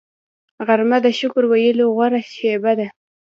غرمه د شکر ویلو غوره شیبه ده